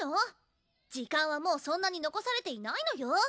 時間はもうそんなに残されていないのよ？